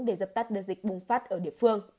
để dập tắt đưa dịch bùng phát ở địa phương